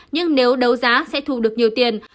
nhưng nếu đấu giá sẽ thu được nhiều tiền